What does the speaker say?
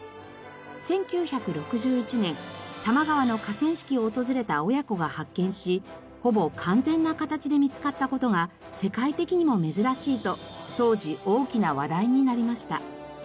１９６１年多摩川の河川敷を訪れた親子が発見しほぼ完全な形で見つかった事が世界的にも珍しいと当時大きな話題になりました。